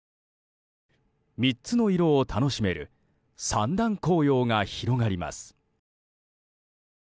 ３つの色を楽しめる三段紅葉が広がります。